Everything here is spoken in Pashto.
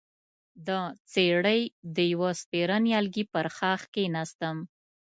د څېړۍ د يوه سپېره نيالګي پر ښاخ کېناستم،